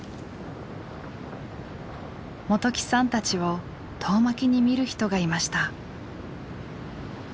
元起さんたちを遠巻きに見る人がいました。